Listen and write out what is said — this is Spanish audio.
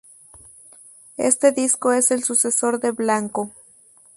Este disco es el sucesor de Blanco.